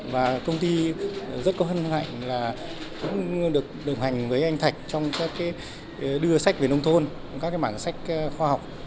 và công ty rất có hân hạnh là cũng được đồng hành với anh thạch trong các cái đưa sách về nông thôn các cái bản sách khoa học